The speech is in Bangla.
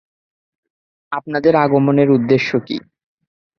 আপনাদের আগমনের উদ্দেশ্য কী?